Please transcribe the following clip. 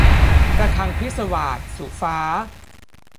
ระฆังพิศวาส - สุฟ้า